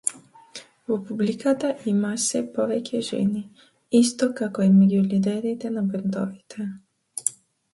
Во публиката има сѐ повеќе жени, исто како и меѓу лидерите на бендовите.